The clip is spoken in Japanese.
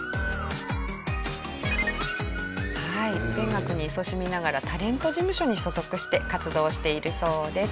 勉学に勤しみながらタレント事務所に所属して活動しているそうです。